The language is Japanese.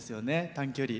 短距離。